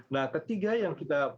nah ketiga yang kita